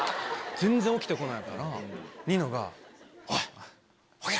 全然起きてこないからニノが。